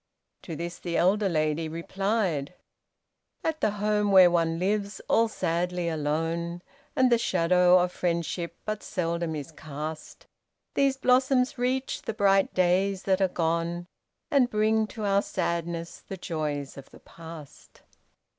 To this the elder lady replied: "At the home where one lives, all sadly alone, And the shadow of friendship but seldom is cast, These blossoms reach the bright days that are gone And bring to our sadness the joys of the past."